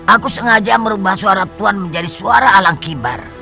aku sengaja merubah suara tuhan menjadi suara alang kibar